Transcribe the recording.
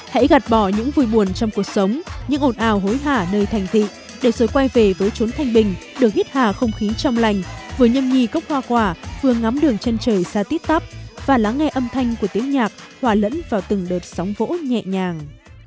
hãy gạt bỏ những vui buồn trong cuộc sống những ồn ào hối hả nơi thành thị để rồi quay về với trốn thanh bình được hít hà không khí trong lành vừa nhâm nhì cốc hoa quả vừa ngắm đường chân trời ra tiết tắp và lắng nghe âm thanh của tiếng nhạc hòa lẫn vào từng đợt sóng vỗ nhẹ nhàng